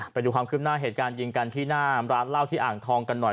ไปดูความคืบหน้าเหตุการณ์ยิงกันที่หน้าร้านเหล้าที่อ่างทองกันหน่อย